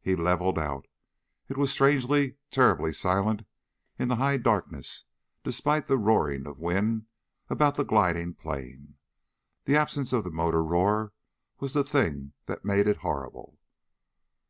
He leveled out. It was strangely, terribly silent in the high darkness, despite the roaring of wind about the gliding plane. The absence of the motor roar was the thing that made it horrible.